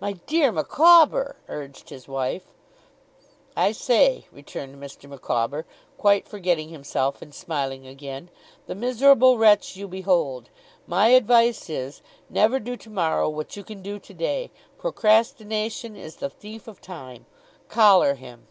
'My dear Micawber!' urged his wife. 'I say,' returned Mr. Micawber, quite forgetting himself, and smiling again, 'the miserable wretch you behold. My advice is, never do tomorrow what you can do today. Procrastination is the thief of time. Collar him!